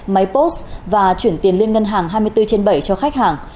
máy post và chuyển tiền liên ngân hàng hai mươi bốn trên bảy cho khách hàng